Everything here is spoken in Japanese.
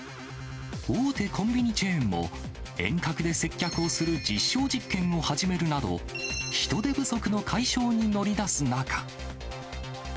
大手コンビニチェーンも、遠隔で接客をする実証実験を始めるなど、人手不足の解消に乗り出す中。